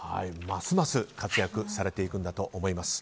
ますます活躍されていくんだと思います。